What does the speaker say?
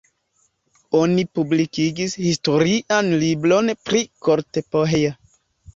Oni publikigis historian libron pri Kortepohja.